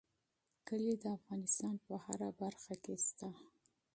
کلي د افغانستان په هره برخه کې شته.